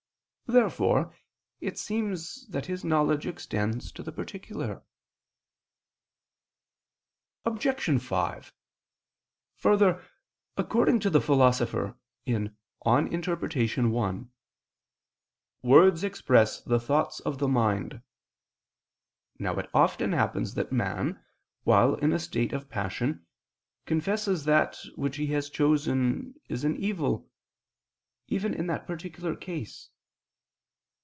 Therefore it seems that his knowledge extends to the particular. Obj. 5: Further, according to the Philosopher (Peri Herm. i), "words express the thoughts of the mind." Now it often happens that man, while in a state of passion, confesses that what he has chosen is an evil, even in that particular case.